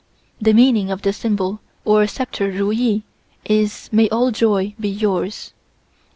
The meaning of the symbol or sceptre Ru Yee is "May all joy be yours."